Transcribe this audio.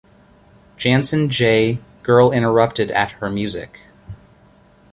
Janson, J.. Girl Interrupted at Her Music.